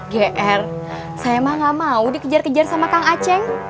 gr saya mah nggak mau dikejar kejar sama kang nga ceng